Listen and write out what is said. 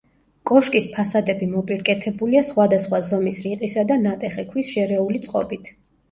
კოშკის ფასადები მოპირკეთებულია სხვადასხვა ზომის რიყისა და ნატეხი ქვის შერეული წყობით.